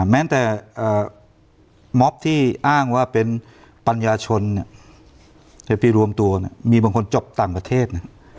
แม้แต่ม็อบที่อ้างว่าเป็นปัญญาชนจะไปรวมตัวมีบางคนจบต่างประเทศ